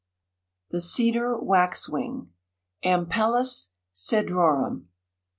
] THE CEDAR WAXWING. (_Ampelis cedrorum.